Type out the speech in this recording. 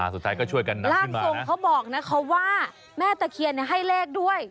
สุดท้ายก็ช่วยกันนะร่างทรงเขาบอกนะคะว่าแม่ตะเคียนให้เลขด้วย